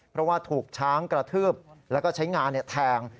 เพราะว่าถูกช้างกระทืบแล้วก็ใช้งานแทง